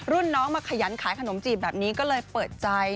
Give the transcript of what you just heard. รุ่นน้องมาขยันขายขนมจีบแบบนี้ก็เลยเปิดใจ